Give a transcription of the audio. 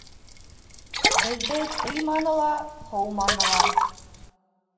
Беҙҙе тыйманы ла, ҡыуманы ла.